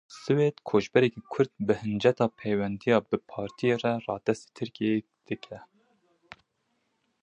Swêd koçberekî Kurd bi hinceta pêwendiya bi Partiyê re radestî Tirkiyeyê dike.